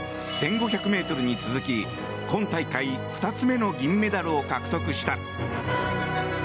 １５００ｍに続き今大会２つ目の銀メダルを獲得した。